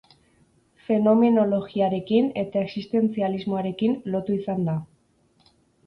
Fenomenologiarekin eta existentzialismoarekin lotu izan da.